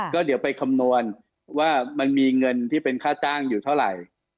ก็เดี๋ยวไปคำนวณว่ามันมีเงินที่เป็นค่าจ้างอยู่เท่าไหร่